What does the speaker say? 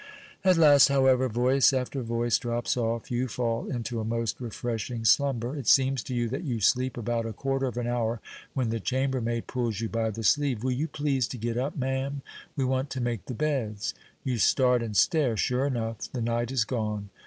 At last, however, voice after voice drops off; you fall into a most refreshing slumber; it seems to you that you sleep about a quarter of an hour, when the chambermaid pulls you by the sleeve. "Will you please to get up, ma'am? We want to make the beds." You start and stare. Sure enough, the night is gone.